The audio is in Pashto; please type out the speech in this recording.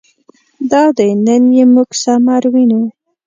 دادی نن یې موږ ثمر وینو.